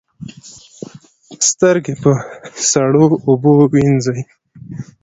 سترګې په سړو اوبو وینځئ